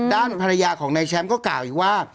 ด้านภรรยาของนายแชมป์ก็กล่าวอีกว่า